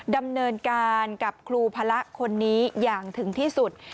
ดำเนินการกับครูพระคนนี้อย่างถึงที่สุด